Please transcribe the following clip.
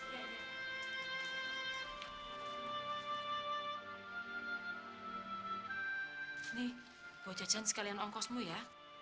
nih bocah cancel yang ongkosmu ya